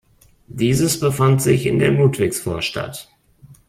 Dieses befand sich in der Ludwigsvorstadt.